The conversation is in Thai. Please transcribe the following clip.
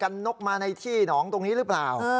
นกมาในที่หนองตรงนี้หรือเปล่า